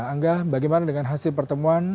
angga bagaimana dengan hasil pertemuan